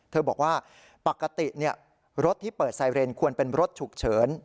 บอกว่าปกติรถที่เปิดไซเรนควรเป็นรถฉุกเฉิน